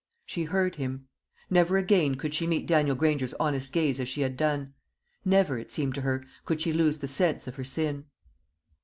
She heard him. Never again could she meet Daniel Granger's honest gaze as she had done never, it seemed to her, could she lose the sense of her sin.